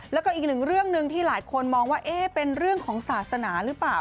แล้วก็อีกหนึ่งเรื่องหนึ่งที่หลายคนมองว่าเป็นเรื่องของศาสนาหรือเปล่า